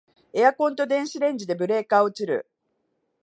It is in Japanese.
エアコンと電子レンジでブレーカー落ちる